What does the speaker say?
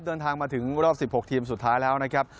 เดินทางมาถึงรอบ๑๖ทีมสุดท้ายแล้วนะครับ